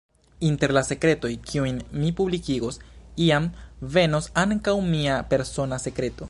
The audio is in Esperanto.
Inter la sekretoj kiujn mi publikigos, iam venos ankaŭ mia persona sekreto.